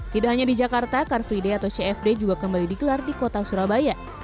tidak hanya di jakarta car free day atau cfd juga kembali digelar di kota surabaya